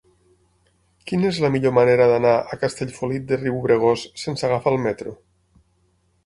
Quina és la millor manera d'anar a Castellfollit de Riubregós sense agafar el metro?